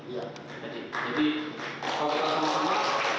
jadi kalau kita lihat sama sama